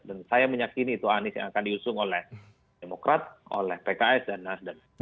dan saya menyakini itu anies yang akan diusung oleh demokrat oleh pks dan nasdem